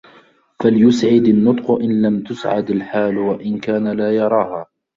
فَلْيُسْعِدْ النُّطْقُ إنْ لَمْ تُسْعَدْ الْحَالُ وَإِنْ كَانَ لَا يَرَاهَا